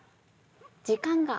時間が。